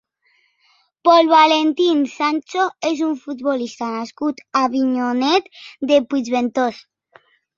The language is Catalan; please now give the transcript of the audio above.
Pol Valentín Sancho és un futbolista nascut a Avinyonet de Puigventós.